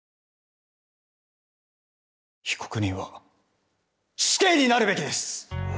被告人は死刑になるべきです。